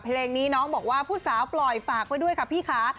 เพลงนี้น้องบอกว่าผู้สาวปล่อยฝากไว้ด้วยค่ะพี่ค่ะ